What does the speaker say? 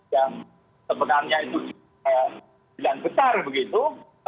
yang sebenarnya itu sembilan besar begitu